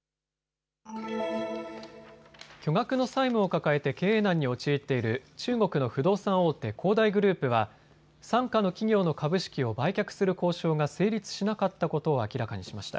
巨額の債務を抱えて経営難に陥っている中国の不動産大手、恒大グループは傘下の企業の株式を売却する交渉が成立しなかったことを明らかにしました。